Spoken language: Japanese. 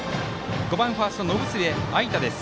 ５番ファースト、延末藍太です。